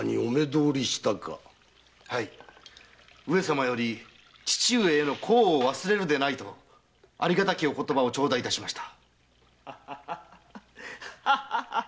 はい上様より父上への孝を忘れるでないとありがたきお言葉を頂戴いたしました。